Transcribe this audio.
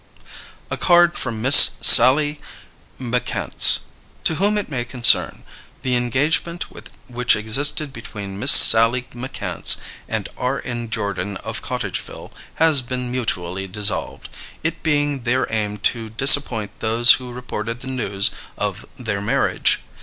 A Card from Miss Sallie McCants. To Whom it May Concern: The engagement which existed between Miss Sallie McCants and R.N. Jordan, of Cottageville, has been mutually dissolved, it being their aim to disappoint those who reported the news of their marriage.